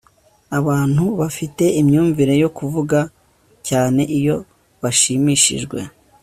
Abantu bafite imyumvire yo kuvuga cyane iyo bashimishijwe